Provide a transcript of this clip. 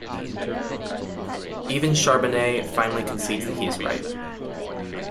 Even Charbonnet finally concedes that he is right.